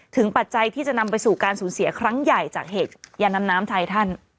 ปัจจัยที่จะนำไปสู่การสูญเสียครั้งใหญ่จากเหตุยานำน้ำไทยท่าน